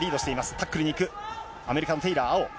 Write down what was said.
タックルにいく、アメリカのテイラー、青。